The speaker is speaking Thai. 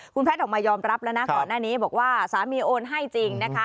คุณแพทย์ออกมายอมรับแล้วนะก่อนหน้านี้บอกว่าสามีโอนให้จริงนะคะ